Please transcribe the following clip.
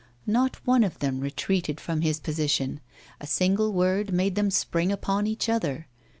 Not one of them retreated from his position; a single word made them spring upon each other.